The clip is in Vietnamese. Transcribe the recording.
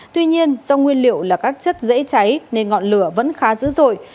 tuy nhiên do nguyên liệu là các chất dễ cháy nên ngọn lửa vẫn khá dữ dội